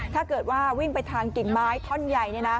ถ้าเกิดว่าวิ่งไปทางกิ่งไม้ท่อนใหญ่